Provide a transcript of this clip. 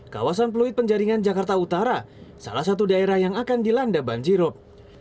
kawasan fluid penjaringan jakarta utara salah satu daerah yang akan dilanda banjirop